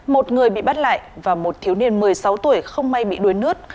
một người bị bắt lại và một thiếu niên một mươi sáu tuổi không may bị đuối nước